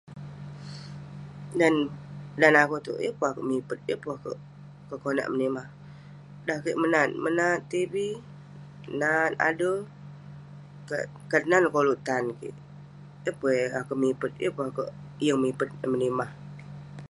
Dan akou itouk, yeng pun akouk mipet yeng pun akouk konak konak menimah, dan kek menat, menat tv, menat ader. Kat nan neh koluk tan kik. yeng pun eh akouk mipet, yeng pun akouk yeng nipet eh menimah.